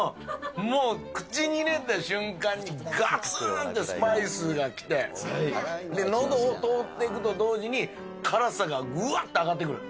もう、口に入れた瞬間に、がつーんとスパイスが来て、のどを通っていくと同時に、辛さがぐわっと上がってくる。